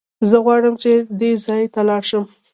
زه غواړم چې دې ځای ته لاړ شم.